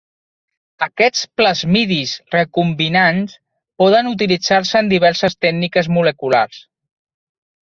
Aquests plasmidis recombinants poden utilitzar-se en diverses tècniques moleculars.